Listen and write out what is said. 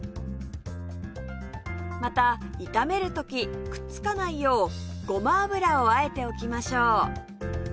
また炒める時くっつかないようごま油をあえておきましょう